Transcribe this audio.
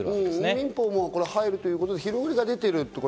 民法も入るということで、広がりが出ている。